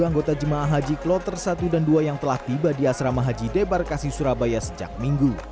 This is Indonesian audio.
dua puluh anggota jemaah haji kloter satu dan dua yang telah tiba di asrama haji debarkasi surabaya sejak minggu